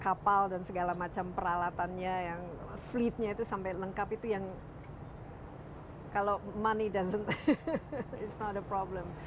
kapal dan segala macam peralatannya yang fleetnya itu sampai lengkap itu yang kalau money doesn't it's not a problem